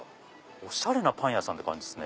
おしゃれなパン屋さんって感じですね。